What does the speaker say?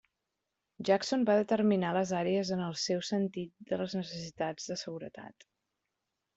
Jackson va determinar les àrees en el seu sentit de les necessitats de seguretat.